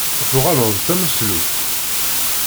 Tuɣaleḍ d tameslubt?